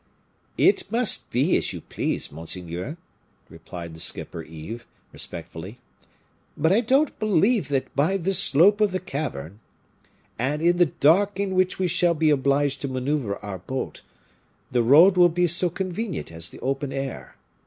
"It must be as you please, monseigneur," replied the skipper Yves, respectfully; "but I don't believe that by the slope of the cavern, and in the dark in which we shall be obliged to maneuver our boat, the road will be so convenient as the open air.